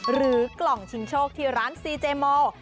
หรือกล่องชิงโชคที่ร้านซีเจโม